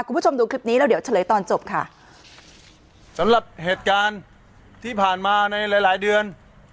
คุณผู้ชมดูคลิปนี้แล้วเดี๋ยวเฉลยตอนจบค่ะสำหรับเหตุการณ์ที่ผ่านมาในหลายหลายเดือน